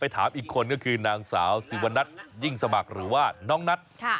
ถามอีกคนก็คือนางสาวสิวนัทยิ่งสมัครหรือว่าน้องนัท